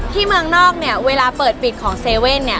ที่เมืองนอกเนี่ยเวลาเปิดปิดของ๗๑๑เนี่ย